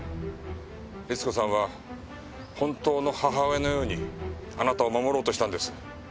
律子さんは本当の母親のようにあなたを守ろうとしたんです。